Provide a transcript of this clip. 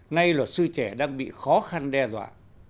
nay luật sư trẻ đang bị khó khăn đe dọa